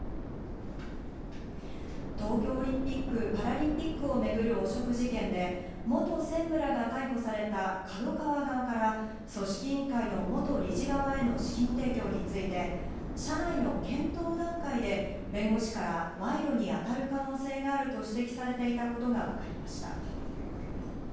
東京オリンピック・パラリンピックを巡る汚職事件で、元専務らが逮捕されたＫＡＤＯＫＡＷＡ側から組織委員会の元理事側への資金提供について社内の検討段階で弁護士から賄賂に当たる可能性があると指摘されていたことがわかりました。